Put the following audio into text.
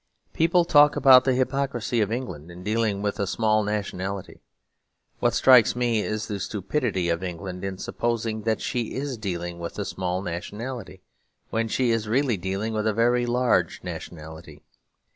People talk about the hypocrisy of England in dealing with a small nationality. What strikes me is the stupidity of England in supposing that she is dealing with a small nationality; when she is really dealing with a very large nationality.